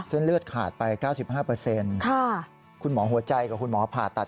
เส้นเลือดขาดไปเก้าสิบห้าเปอร์เซ็นต์ค่ะคุณหมอหัวใจกับคุณหมอผ่าตัด